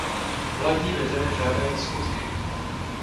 Mladí lidé žádají skutky.